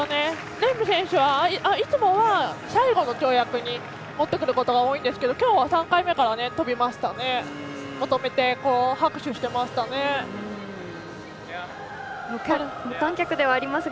レーム選手はいつもは最後の跳躍に持ってくることが多いんですけどきょうは、３回目から求めて拍手していましたね。